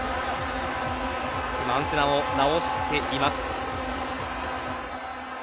今、アンテナを直しています。